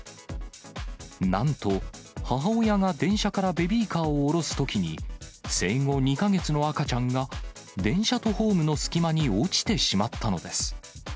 なんと、母親が電車からベビーカーを降ろすときに、生後２か月の赤ちゃんが、電車とホームの隙間に落ちてしまったのです。